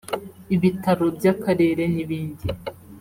ibitaro by’akarere n’ibindi